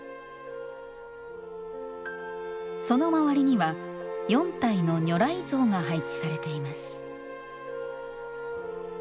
その周りには４体の如来像が配置されています。